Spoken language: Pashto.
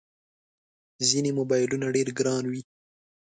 ځینې موبایلونه ډېر ګران وي.